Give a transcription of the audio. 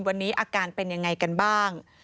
วันนี้อาการเป็นยังไงกันบ้าง